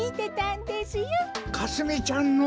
かすみちゃんの！？